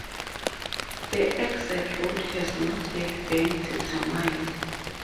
The exact route has not yet been determined.